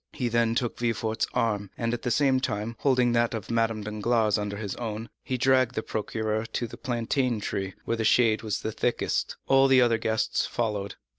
He then took Villefort's arm, and, at the same time, holding that of Madame Danglars under his own, he dragged the procureur to the plantain tree, where the shade was thickest. All the other guests followed.